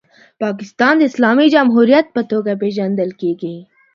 پاکستان د اسلامي جمهوریت په توګه پیژندل کیږي.